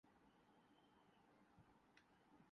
صنعت و حرفت میں پسماندہ تھے